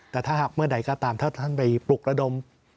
แต่ถ้าหากเมื่อใดก็ตามถ้าท่านไปปลุกระดม